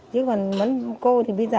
chứ còn mấy cô thì bây giờ